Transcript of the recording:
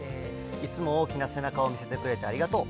いつも大きな背中を見せてくれてありがとう。